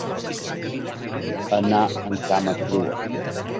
Anar en cama crua.